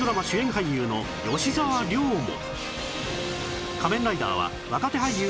俳優の吉沢亮も